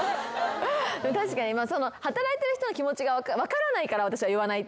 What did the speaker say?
確かにその働いている人の気持ちが分からないから私は言わない。